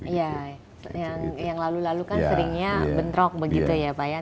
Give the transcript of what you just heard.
iya yang lalu lalu kan seringnya bentrok begitu ya pak ya